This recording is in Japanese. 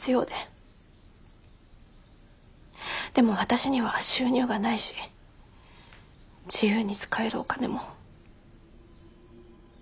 でも私には収入がないし自由に使えるお金も。